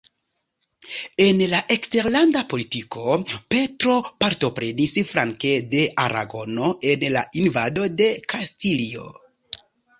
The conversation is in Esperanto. En la eksterlanda politiko, Petro partoprenis flanke de Aragono en la invado de Kastilio.